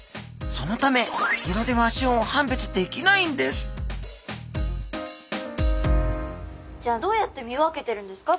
そのため色では種を判別できないんですじゃあどうやって見分けてるんですか？